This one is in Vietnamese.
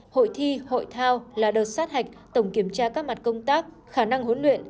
hội thi hội thao là đợt sát hạch tổng kiểm tra các mặt công tác khả năng huấn luyện